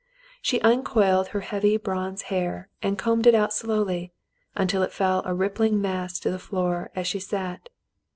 She uncoiled her heavy bronze hair and combed it slowly out, until it fell a rippling mass to the floor, as she sat.